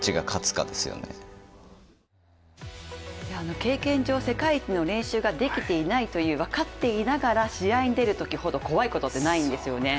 経験上、世界一の練習ができていないと分かっていながら試合に出るときほど怖いことってないんですよね。